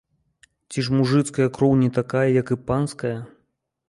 Ці ж мужыцкая кроў не такая, як і панская?